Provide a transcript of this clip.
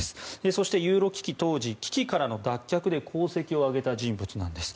そして、ユーロ危機当時危機からの脱却で功績を挙げた人物なんです。